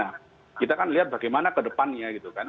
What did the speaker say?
nah kita kan lihat bagaimana kedepannya gitu kan